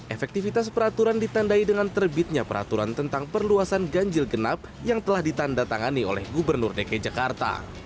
efektivitas peraturan ditandai dengan terbitnya peraturan tentang perluasan ganjil genap yang telah ditanda tangani oleh gubernur dki jakarta